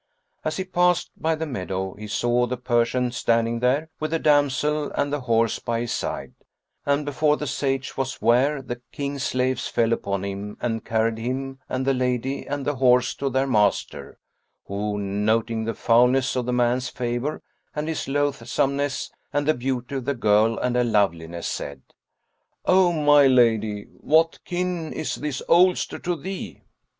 As he passed by the meadow, he saw the Persian standing there, with the damsel and the horse by his side; and, before the Sage was ware, the King's slaves fell upon him and carried him and the lady and the horse to their master who, noting the foulness of the man's favour and his loathsomeness and the beauty of the girl and her loveliness, said, "O my lady, what kin is this oldster to thee?"